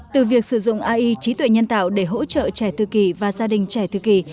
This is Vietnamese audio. từ việc sử dụng ai trí tuệ nhân tạo để hỗ trợ trẻ thư kỳ và gia đình trẻ thư kỳ